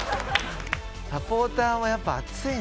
「サポーターもやっぱ熱いんだね」